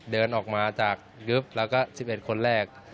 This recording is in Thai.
เดินออกมาจากกริฟต์แล้วก็๑๑คนแรก